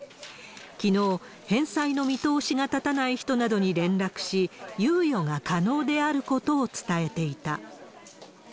きのう、返済の見通しが立たない人などに連絡し、猶予が可能であることを伝えていた。